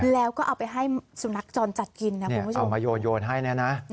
แล้วก็เอาไปให้สุนัขจรจัดกินนะคุณผู้ชมเอามาโยนให้เนี่ยนะ